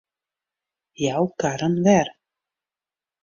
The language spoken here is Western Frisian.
Jou karren wer.